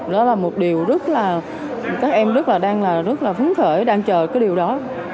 đó là một điều các em đang rất là phấn khởi đang chờ điều đó